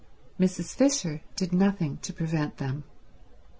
Mrs. Fisher did nothing to prevent them.